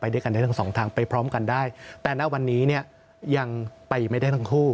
ด้วยกันได้ทั้งสองทางไปพร้อมกันได้แต่ณวันนี้เนี่ยยังไปไม่ได้ทั้งคู่